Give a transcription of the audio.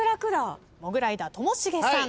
モグライダーともしげさん。